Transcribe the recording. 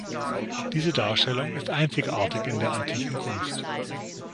Diese Darstellung ist einzigartig in der Antiken Kunst.